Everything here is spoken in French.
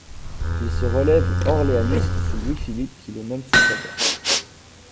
Il se révèle orléaniste sous Louis-Philippe, qui le nomme sous-préfet.